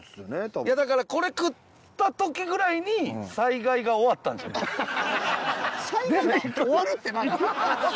いやだからこれ食った時ぐらいに災害が終わったんじゃない？